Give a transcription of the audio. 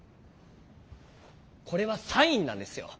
これはサインなんですよ。